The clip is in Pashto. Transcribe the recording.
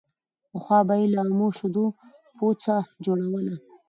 پخوا به يې له اومو شيدو پوڅه جوړوله